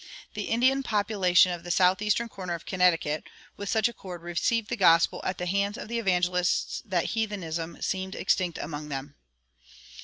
The Indian population of the southeastern corner of Connecticut with such accord received the gospel at the hands of the evangelists that heathenism seemed extinct among them.